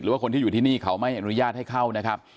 ว่าคนที่อยู่ที่นี่เขาไม่อนุญาตให้เข้านะครับ